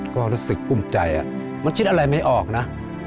ก็รู้สึกกุ้มใจมันคิดอะไรไม่ออกนะ